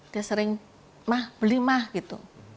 dia sering mah beli mah gitu